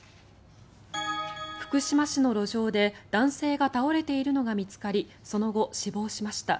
福島市の路上で男性が倒れているのが見つかりその後、死亡しました。